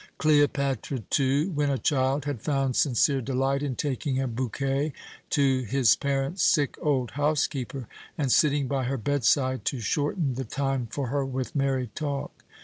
Cleopatra, too, when a child, had found sincere delight in taking a bouquet to his parents' sick old housekeeper and sitting by her bedside to shorten the time for her with merry talk.